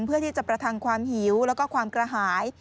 เพื่อที่จะประทังความหิวแล้วก็ความกระหาย